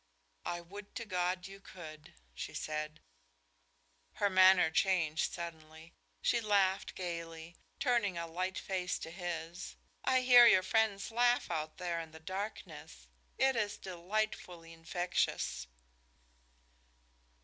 "I would to God you could," she said. Her manner changed suddenly. She laughed gaily, turning a light face to his. "I hear your friend's laugh out there in the darkness. It is delightfully infectious."